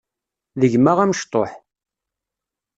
D gma amecṭuḥ.